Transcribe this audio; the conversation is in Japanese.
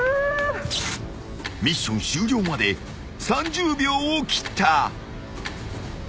［ミッション終了まで３０秒を切った］